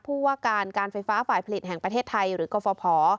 ผู้ว่าการการไฟฟ้าฝ่ายผลิตแห่งประเทศไทยหรือกฟภ